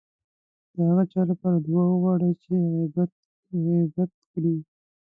د هغه چا لپاره دعا وغواړئ چې غيبت کړی.